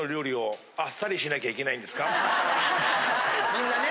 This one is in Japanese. みんなね？